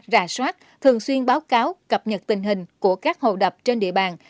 rà soát thường xuyên báo cáo cập nhật tình hình của các hồ đập trên địa bàn